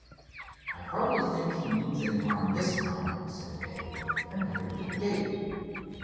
"I hardly think he means any harm this time," said Dave, and hurried to the gate.